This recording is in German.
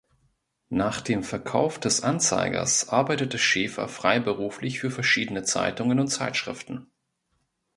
Nach dem Verkauf des "Anzeigers" arbeitete Schäfer freiberuflich für verschiedene Zeitungen und Zeitschriften.